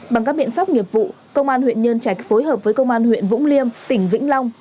bằng các biện pháp nghiệp vụ công an huyện nhân trạch phối hợp với công an huyện vũng liêm tỉnh vĩnh long